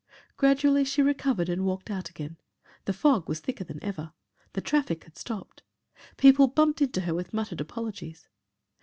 Gradually she recovered and walked out again. The fog was thicker than ever. The traffic had stopped. People bumped into her with muttered apologies.